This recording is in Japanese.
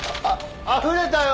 あふれたよ。